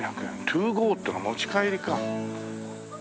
「ＴＯＧＯ」っていうのは持ち帰りか。